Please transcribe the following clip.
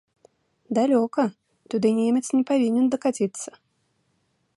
Далёка, туды немец не павінен дакаціцца.